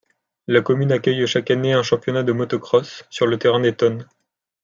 La commune accueille chaque année un championnat de moto-cross, sur le terrain des Tonnes.